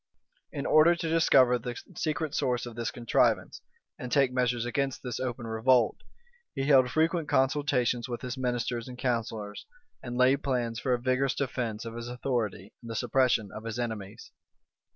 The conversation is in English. In order to dis cover the secret source of the contrivance, and take measures against this open revolt, he held frequent consultations with his ministers and counsellors, and laid plans for a vigorous defence of his authority, and the suppression of his enemies.